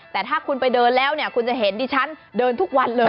แต่ถ้าคุณไปเดินแล้วเนี่ยคุณจะเห็นดิฉันเดินทุกวันเลย